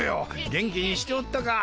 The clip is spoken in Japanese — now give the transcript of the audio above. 元気にしておったか。